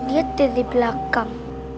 lihat dari belakang